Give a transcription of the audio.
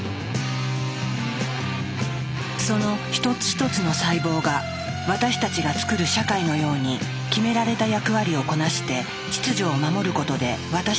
その一つ一つの細胞が私たちがつくる社会のように決められた役割をこなして秩序を守ることで私たちは生きている。